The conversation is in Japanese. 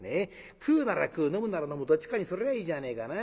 食うなら食う飲むなら飲むどっちかにすりゃあいいじゃねえかな。